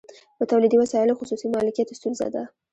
په تولیدي وسایلو خصوصي مالکیت ستونزه ده